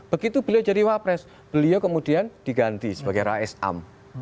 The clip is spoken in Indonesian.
begitu beliau jadi wapres beliau kemudian diganti sebagai rais am